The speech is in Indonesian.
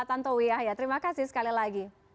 pak tanto wiyah ya terima kasih sekali lagi